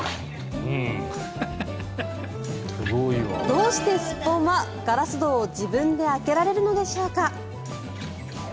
どうしてスッポンはガラス戸を自分で開けられるのでしょうか。